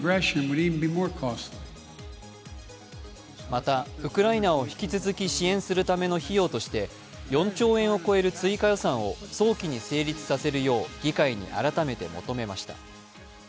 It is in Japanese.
また、ウクライナを引き続き支援するための費用として４兆円を超える追加予算を早期に成立させるよう議会に改めて求めました。